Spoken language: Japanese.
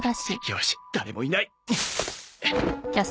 よし誰もいない。